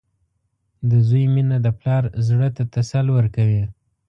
• د زوی مینه د پلار زړۀ ته تسل ورکوي.